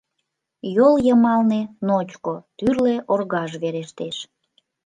Йол йымалне ночко, тӱрлӧ оргаж верештеш.